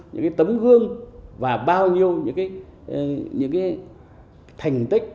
những cái tấm gương và bao nhiêu những cái thành tích